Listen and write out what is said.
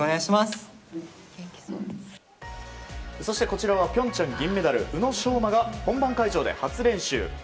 そして、こちらは平昌銀メダル宇野昌磨が本番会場で初練習。